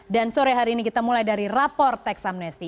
dan sore hari ini kita mulai dari rapor teks amnesti